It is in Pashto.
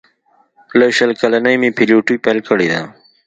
له شل کلنۍ مې پیلوټي پیل کړې ده.